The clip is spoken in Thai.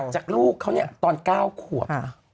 ลูกเขาเนี่ยตอน๙ขวบ